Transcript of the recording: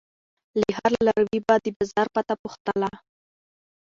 له هر لاروي به د بازار پته پوښتله.